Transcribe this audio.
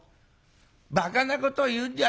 バカなこと言うんじゃない。